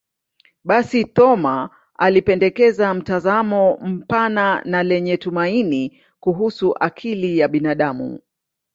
Basi, Thoma alipendekeza mtazamo mpana na lenye tumaini kuhusu akili ya binadamu.